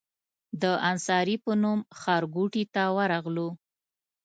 د انصاري په نوم ښارګوټي ته ورغلو.